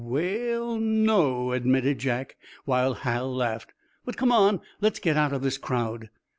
"We ll, no," admitted Jack, while Hal laughed. "But come on; let's get out of this crowd."